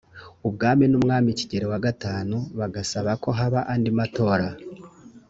ubwami n umwami kigeri v bagasaba ko haba andi matora